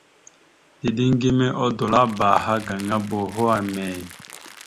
Dideŋ geme odolabáaha gaŋa boho emey ?